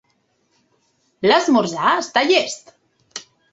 L'esmorzar està llest.